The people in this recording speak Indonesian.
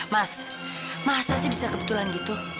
mas masa sih bisa kebetulan gitu